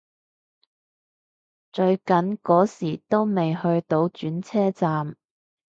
最急嗰時都未去到轉車站